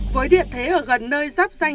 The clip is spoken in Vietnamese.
với địa thế ở gần nơi giáp danh